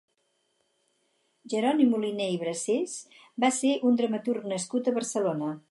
Jeroni Moliné i Brasés va ser un dramaturg nascut a Barcelona.